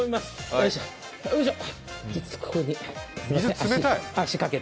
よいしょ。